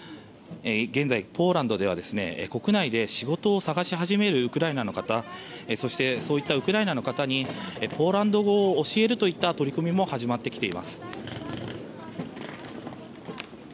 現在、ポーランドでは国内で仕事を探し始めるウクライナの方、そしてそういったウクライナの方にポーランド語を教えるといった取り組みも始まってきています。